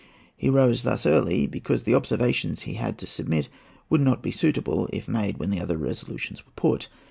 He rose thus early because the observations he had to submit would not be suitable if made when the other resolutions were put.